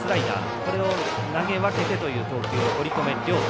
これを投げ分けてという投球の堀米涼太。